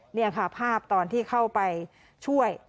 นี่ค่ะภาพตอนที่เข้าไปช่วย